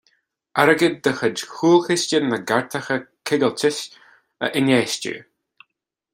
Airgead de chuid Chúlchiste na gCairteacha Coigiltis a infheistiú.